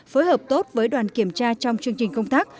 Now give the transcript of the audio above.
phối hợp tốt với đoàn kiểm tra trong chương trình công tác